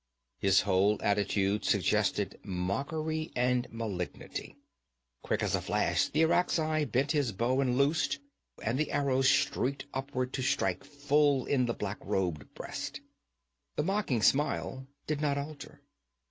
His whole attitude suggested mockery and malignity. Quick as a flash the Irakzai bent his bow and loosed, and the arrow streaked upward to strike full in the black robed breast. The mocking smile did not alter.